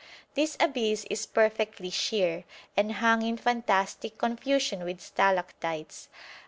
This abyss is perfectly sheer, and hung in fantastic confusion with stalactites.